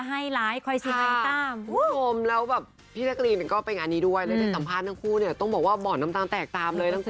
ไม่รู้ว่าตัวเองเป็นคนสำคัญก็จะได้รักษามาก